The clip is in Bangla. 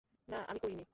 না, আমি করিনি!